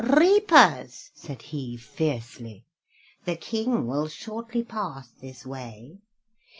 "Reapers," said he fiercely, "the King will shortly pass this way.